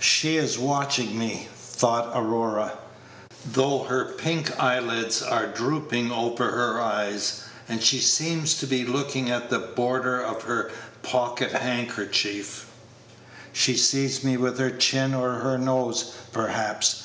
"She is watching me," thought Aurora, "though her pink eyelids are drooping over her eyes, and she seems to be looking at the border of her pocket handkerchief. She sees me with her chin or her nose, perhaps.